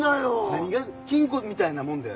何が金庫みたいなもんだよ。